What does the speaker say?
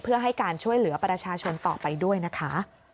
เพื่อให้การช่วยเหลือประชาชนต่อไปด้วยนะคะ